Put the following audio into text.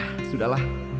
nah sudah lah